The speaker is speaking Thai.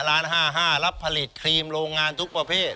ล้าน๕๕รับผลิตครีมโรงงานทุกประเภท